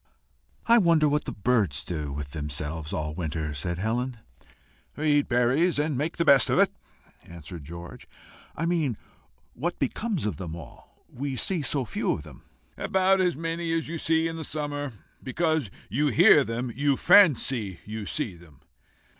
"I wonder what the birds do with themselves all the winter," said Helen. "Eat berries, and make the best of it," answered George. "I mean what becomes of them all. We see so few of them." "About as many as you see in summer. Because you hear them you fancy you see them."